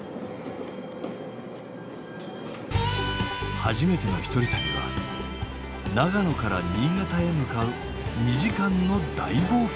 初めての１人旅は長野から新潟へ向かう２時間の大冒険。